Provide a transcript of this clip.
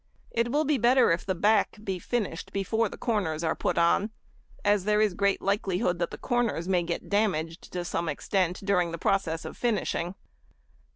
It will be better if the back be finished before the corners are put on, as there is great likelihood that the corners may get damaged to some extent during the process of finishing.